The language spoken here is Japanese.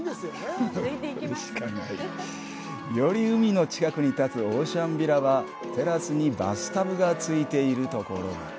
より海の近くに建つオーシャンヴィラはテラスにバスタブがついているところも。